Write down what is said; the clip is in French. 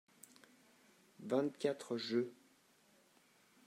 vingt quatre jeux.